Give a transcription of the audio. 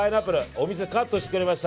お店でカットしてくれました。